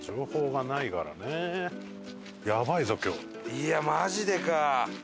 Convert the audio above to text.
いやマジでか！